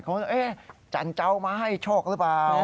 เขาจันเจ้ามาให้โชคหรือเปล่า